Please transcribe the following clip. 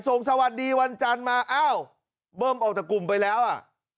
สวัสดีวันจันทร์มาอ้าวเบิ้มออกจากกลุ่มไปแล้วอ่ะ